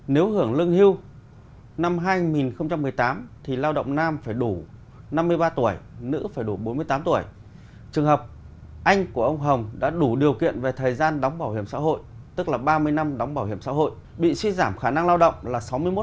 nếu hưởng lương hưu năm hai nghìn một mươi tám thì lao động nam phải đủ năm mươi ba tuổi nữ phải đủ bốn mươi tám tuổi trường hợp anh của ông hồng đã đủ điều kiện về thời gian đóng bảo hiểm xã hội tức là ba mươi năm đóng bảo hiểm xã hội bị suy giảm khả năng lao động là sáu mươi một tám